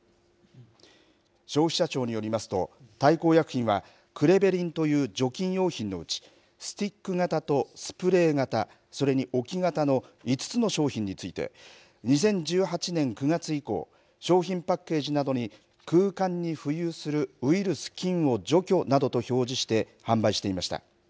消費者庁によりますと、大幸薬品は、クレベリンという除菌用品のうち、スティック型とスプレー型、それに置き型の、５つの商品について、２０１８年９月以降、商品パッケージなどに、空間に浮遊するウイルス・菌を除去などと表示して販売していました。